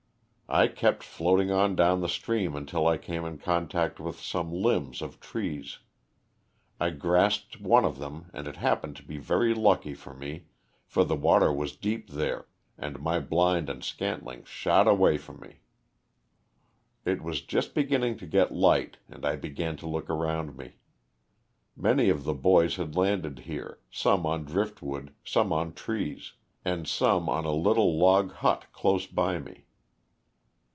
I kept floating on down the stream until I came in contact with some limbs of LOSS OF THE SULTANA. 373 trees. I grasped one of them and it happened to be very lucky for me, for the water was deep there and my blind and scantling shot away from me. It was just beginning to get light and I began to look around me. Many of the boys had landed here, some on drift wood, some on trees, and some on a little log hut close by me.